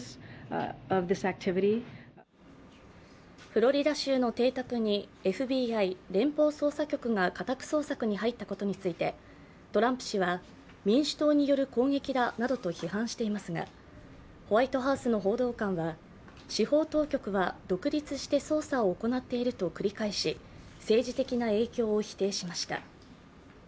フロリダ州の邸宅にＦＢＩ＝連邦捜査局が家宅捜索に入ったことについて民主党による攻撃だなどと批判していますが、ホワイトハウスの報道官は司法当局は独立して捜査を行っていると繰り返し、政治的な影響を否定しました。